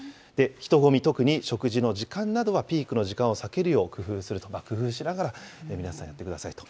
人混み、特に食事の時間などは、ピークの時間を避けるよう工夫すると、工夫しながら、皆さんやってくださいと。